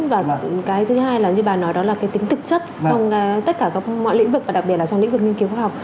và cái thứ hai là như bà nói đó là cái tính thực chất trong tất cả các mọi lĩnh vực và đặc biệt là trong lĩnh vực nghiên cứu khoa học